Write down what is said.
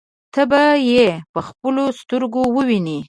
ته به يې په خپلو سترګو ووینې.